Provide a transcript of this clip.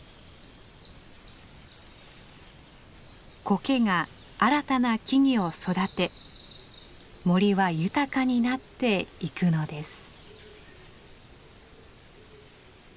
コケが新たな木々を育て森は豊かになっていくのです。